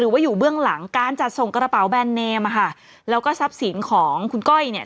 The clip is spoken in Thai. ว่าอยู่เบื้องหลังการจัดส่งกระเป๋าแบรนดเนมอ่ะค่ะแล้วก็ทรัพย์สินของคุณก้อยเนี่ย